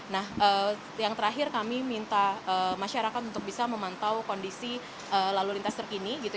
nah yang terakhir kami minta masyarakat untuk bisa memantau kondisi lalu lintas terkini